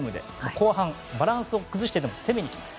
後半、バランスを崩しているのに攻めていきます。